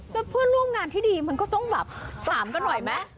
แล้วเพื่อนร่วมงานที่ดีมันก็ต้องแบบถามกันหน่อยไหม